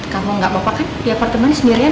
kamu gak bapak kan di apartemen sendiri ya